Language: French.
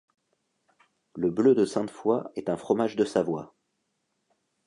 Le Bleu de Sainte-foy est un fromage de Savoie.